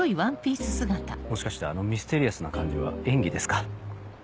もしかしてあのミステリアスな感じは演技ですか？